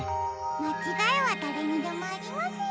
まちがいはだれにでもありますよ。